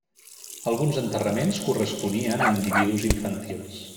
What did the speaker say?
Alguns enterraments corresponien a individus infantils.